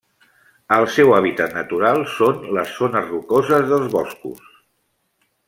El seu hàbitat natural són les zones rocoses dels boscos.